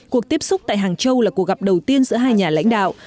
cuộc tiếp xúc tại hàng châu là cuộc gặp đầu tiên giữa hai nhà lãnh đạo